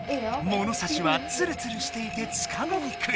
ものさしはツルツルしていてつかみにくい。